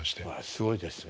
すごいですね。